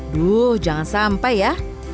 duh jangan sampai ya